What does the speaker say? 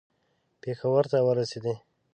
پېښور ته ورسېدی.